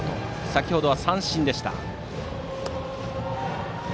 先程は三振でした。